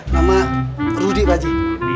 nama rudi pak aji